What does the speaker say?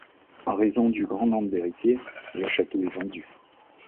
En raison du grand nombre d'héritiers, le château est vendu.